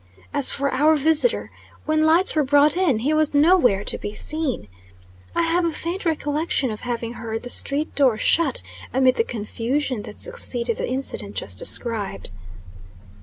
As for our visitor, when lights were brought in, he was no where to be seen. I have a faint recollection of having heard the street door shut amid the confusion that succeeded the incident just described.